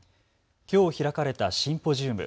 きょう開かれたシンポジウム。